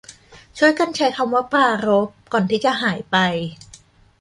ช่วยกันใช้คำว่าปรารภ ก่อนที่จะหายไป